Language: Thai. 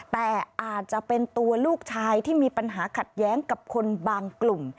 แต่อาจจะเป็นตัวลูกชายที่มีปัญหาขัดแย้งกับคนบางกลุ่ม